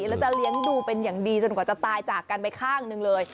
แล้วจะเลี้ยงดูเป็นอย่างดีจนกว่าจะตายจากกันไปข้างหนึ่งเลย